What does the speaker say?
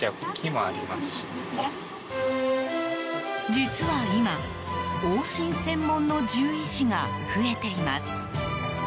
実は今、往診専門の獣医師が増えています。